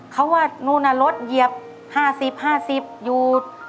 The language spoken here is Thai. เขาว่านู่นน่ะรถเหยียบ๕๐๕๐อยู่